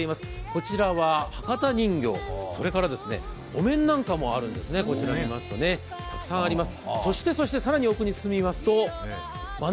こちらは博多人形、それからお面なんかもたくさんあります。